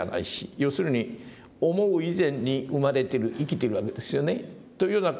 要するに思う以前に生まれてる生きてるわけですよねというような事を考えると。